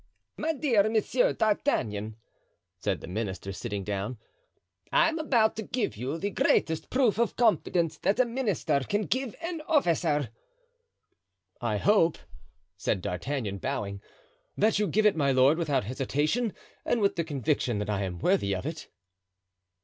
"My dear M. d'Artagnan," said the minister, sitting down, "I am about to give you the greatest proof of confidence that a minister can give an officer." "I hope," said D'Artagnan, bowing, "that you give it, my lord, without hesitation and with the conviction that I am worthy of it."